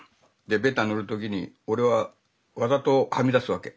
でベタ塗る時に俺はわざとはみ出すわけ。